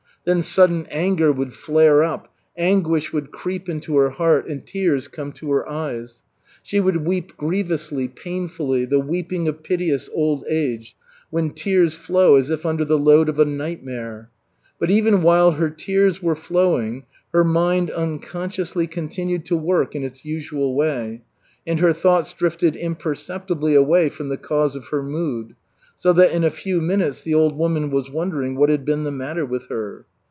Then sudden anger would flare up, anguish would creep into her heart, and tears come to her eyes. She would weep grievously, painfully, the weeping of piteous old age, when tears flow as if under the load of a nightmare. But even while her tears were flowing, her mind unconsciously continued to work in its usual way, and her thoughts drifted imperceptibly away from the cause of her mood, so that in a few minutes the old woman was wondering what had been the matter with her.